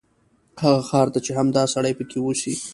هغه ښار ته چې همدا سړی پکې اوسي.